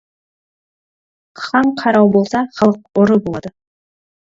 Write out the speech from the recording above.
Хан қарау болса, халық ұры болады.